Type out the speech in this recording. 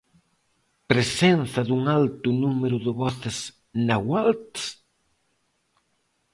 Presenza dun alto número de voces náhuatls?